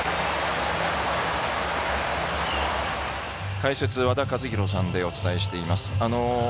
解説は和田一浩さんでお伝えしています。